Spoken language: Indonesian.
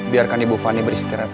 biarkan ibu fandi beristirahat